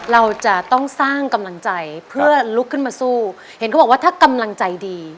เราจะต้องสร้างกำลังใจเพื่อลุกขึ้นมาสู้เห็นเขาบอกว่าถ้ากำลังใจดี